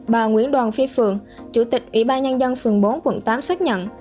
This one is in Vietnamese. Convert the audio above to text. bà nguyễn đoàn phi phượng chủ tịch ủy ban nhân dân phường bốn quận tám xác nhận